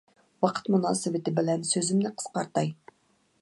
ۋاقىت مۇناسىۋىتى بىلەن سۆزۈمنى قىسقارتاي.